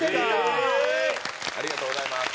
ありがとうございます。